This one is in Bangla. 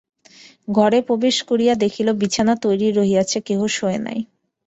ঘরে প্রবেশ করিয়া দেখিল, বিছানা তৈরি রহিয়াছে, কেহ শোয় নাই।